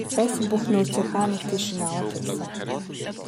Байсан бүх нөөцийг хаа нэг тийш нь аваад явсан.